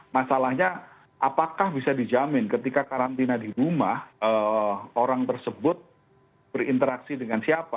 masalahnya apakah bisa dijamin ketika karantina di rumah orang tersebut berinteraksi dengan siapa